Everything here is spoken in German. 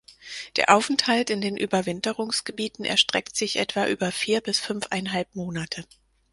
Der Aufenthalt in den Überwinterungsgebieten erstreckt sich etwa über vier bis fünfeinhalb Monate.